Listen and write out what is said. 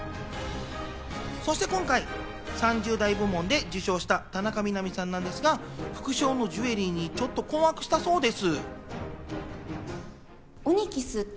そして今回、３０代部門で受賞した田中みな実さんなんですが、副賞のジュエリーにちょっと困惑したそうです。